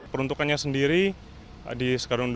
peruntukannya sendiri di skarondeda dua puluh satu ini